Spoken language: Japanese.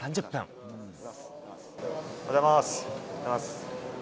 おはようございます。